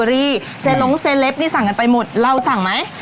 เซร๊ทสั้นร้องนี้สั่งไปหมดเราสั่งไหม